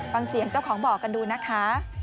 ฟังเสียงเจ้าของบ่อกันดูนะคะ